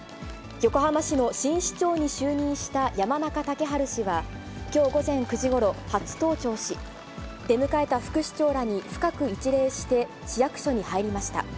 横浜市の新市長に就任した山中竹春氏は、きょう午前９時ごろ、初登庁し、出迎えた副市長らに深く一礼して、市役所に入りました。